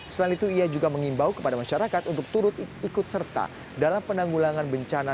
selain itu ia juga mengimbau kepada masyarakat untuk turut ikut serta dalam penanggulangan bencana